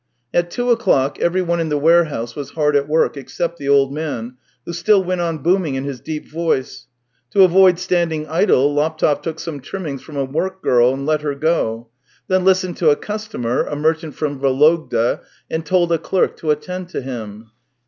At two o'clock everyone in the warehouse was hard at work, except the old man, who still went on booming in his deep voice. To avoid standing idle, Laptev took some trimmings from a workgirl and let her go; then listened to a customer, a merchant from Vologda, and told a clerk to attend to him.